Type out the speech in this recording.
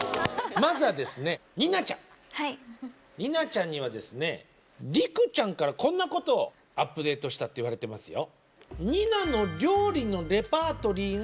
ＮＩＮＡちゃんにはですねＲＩＫＵちゃんからこんなことをアップデートしたって言われてますよ。